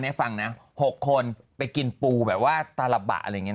เนี่ยฟังนะ๖คนไปกินปูแบบว่าตาบับอะไรแบบนี้นะ